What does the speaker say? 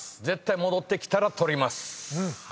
絶対戻ってきたら取ります。